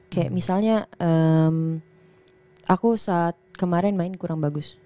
kayak misalnya aku saat kemarin main kurang bagus